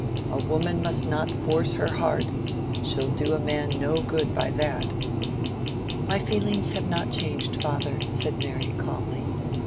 A woman must not force her heart—she'll do a man no good by that." "My feelings have not changed, father," said Mary, calmly.